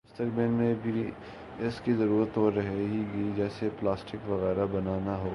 مستقبل میں بھی اس کی ضرورت تو رہے ہی گی جیسے پلاسٹک وغیرہ بنا نا ہوگیا